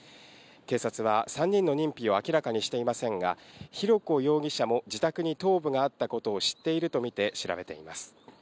警察は３人の認否を明らかにしていませんが、浩子容疑者も自宅に頭部があったことを知っていると見て、調べています。